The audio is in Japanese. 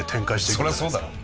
そりゃそうだろお前。